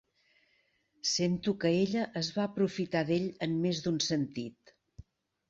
Sento que ella es va aprofitar d'ell en més d'un sentit.